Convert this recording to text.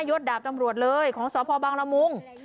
ยศดาบตำรวจเลยของสพบังละมุง